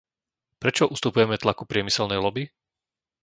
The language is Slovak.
Prečo ustupujeme tlaku priemyselnej loby?